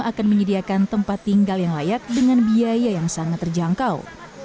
akan menyediakan tempat tinggal yang layak dengan biaya yang sangat terjangkau